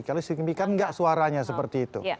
kalau istri kami kan enggak suaranya seperti itu